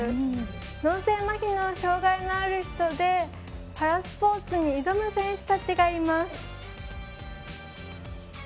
脳性まひの障がいのある人でパラスポーツに挑む選手たちがいます。